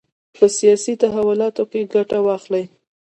په سیاسي تحولاتو کې ګټه واخلي.